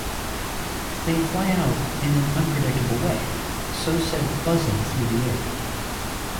They fly out in an unpredictable way; so-said buzzing through the air.